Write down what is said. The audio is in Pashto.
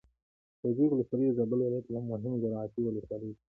شاه جوی ولسوالي د زابل ولايت له مهمو زراعتي ولسواليو څخه ده.